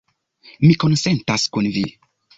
Mi konsentas kun vi